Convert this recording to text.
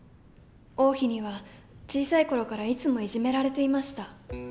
王妃には小さい頃からいつもいじめられていました。